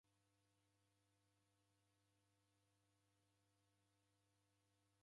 Nawe'kunda kuw'uya idukenyi.